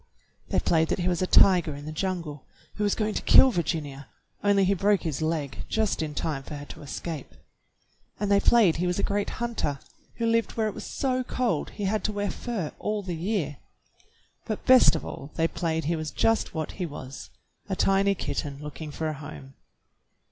They played that he was a tiger in a jungle, who was going to kill Virginia, only he broke his leg just in time for her to escape; and they played he was a great hunter who lived where it was so cold he had to wear fur all the year; but best of all they played he was just what he was, a tiny kitten looking for a home.